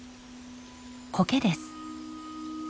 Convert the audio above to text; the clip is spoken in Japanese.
コケです。